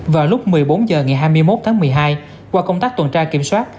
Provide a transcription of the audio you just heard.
vào lúc một mươi bốn h ngày hai mươi một tháng một mươi hai qua công tác tuần tra kiểm soát